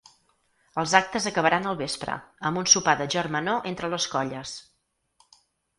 Els actes acabaran al vespre, amb un sopar de germanor entre les colles.